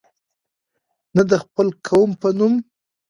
نه د خپل قوم په نوم.